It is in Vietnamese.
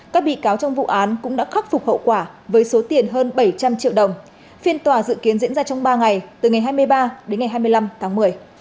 các bị cáo trong vụ án cũng đã khắc phục hậu quả với số tiền hơn bảy trăm linh triệu đồng phiên tòa dự kiến diễn ra trong ba ngày từ ngày hai mươi ba đến ngày hai mươi năm tháng một mươi